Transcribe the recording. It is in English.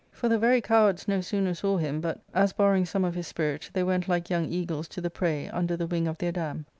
For the very cowards no sooner saw him but, as borrowing some of his spirit, they went like young eagles to the prey under the wing of their dam.